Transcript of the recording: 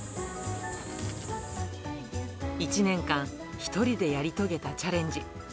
１年間、１人でやり遂げたチャレンジ。